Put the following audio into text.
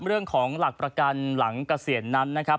เรื่องของหลักประกันหลังเกษียณนั้นนะครับ